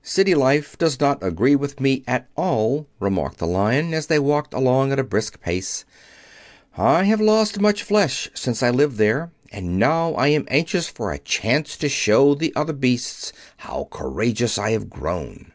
"City life does not agree with me at all," remarked the Lion, as they walked along at a brisk pace. "I have lost much flesh since I lived there, and now I am anxious for a chance to show the other beasts how courageous I have grown."